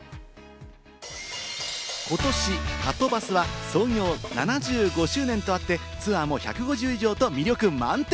ことし、はとバスは創業７５周年とあってツアーも１５０以上と魅力満点。